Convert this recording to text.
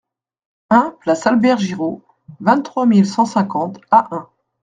un place Albert Giraud, vingt-trois mille cent cinquante Ahun